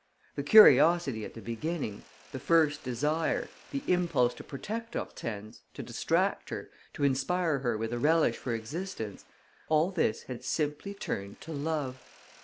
The curiosity at the beginning, the first desire, the impulse to protect Hortense, to distract her, to inspire her with a relish for existence: all this had simply turned to love.